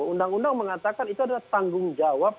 undang undang mengatakan itu adalah tanggung jawab